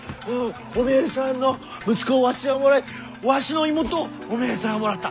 おめえさんの息子をわしがもらいわしの妹をおめえさんはもらった。